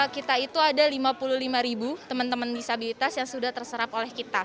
kita itu ada lima puluh lima ribu teman teman disabilitas yang sudah terserap oleh kita